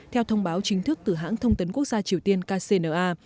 theo thông báo chính thức từ hãng thông tấn quốc gia triều tiên kcna